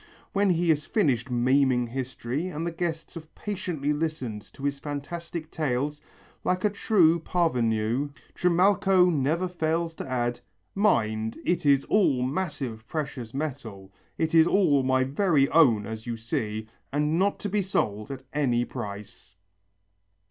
When he has finished maiming history, and the guests have patiently listened to his fantastic tales, like a true parvenu, Trimalcho never fails to add, "Mind, it is all massive precious metal, it is all my very own as you see, and not to be sold at any price."